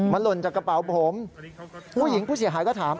มันหล่นจากกระเป๋าผมผู้หญิงผู้เสียหายก็ถาม